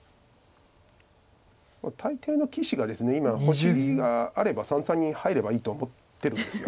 大抵の棋士がですね今星があれば三々に入ればいいと思ってるんです。